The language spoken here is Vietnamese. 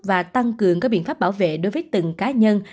và tăng cường các biện pháp bảo vệ đối với từng cá nhân